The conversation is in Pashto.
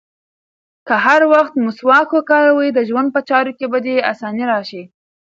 که هر وخت مسواک وکاروې، د ژوند په چارو کې به دې اساني راشي.